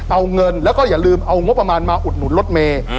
เอาเงินแล้วก็อย่าลืมเอางบประมาณมาอุดหนุนรถเมย์